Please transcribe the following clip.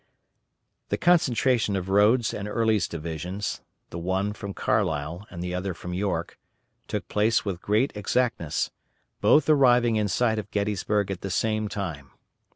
The concentration of Rodes' and Early's divisions the one from Carlisle and the other from York took place with great exactness; both arriving in sight of Gettysburg at the same time.